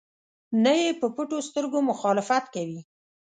نه یې په پټو سترګو مخالفت کوي.